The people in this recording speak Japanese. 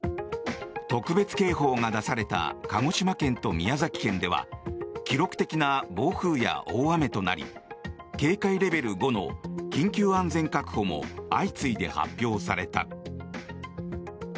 特別警報が出された鹿児島県と宮崎県では記録的な暴風や大雨となり警戒レベル５の緊急安全確保も相次いで発表された。